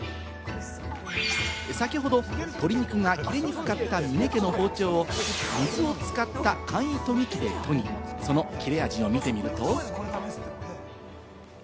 先ほど、鶏肉が切れにくかった峰家の包丁を水を使った簡易研ぎ器で研ぎ、その切れ味を見てみると。